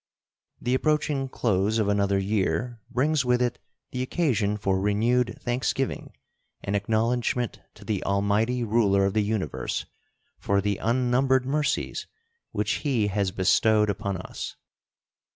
The approaching close of another year brings with it the occasion for renewed thanksgiving and acknowledgment to the Almighty Ruler of the Universe for the unnumbered mercies which He has bestowed upon us.